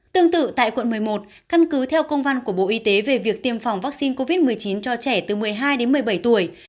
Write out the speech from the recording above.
tương tự tại quận một mươi một căn cứ theo công văn của bộ y tế về việc tiêm phòng vaccine covid một mươi chín cho trẻ từ một mươi hai đến một mươi bảy tuổi